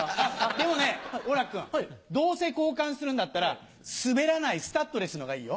でもね王楽君どうせ交換するんだったら滑らないスタッドレスのほうがいいよ。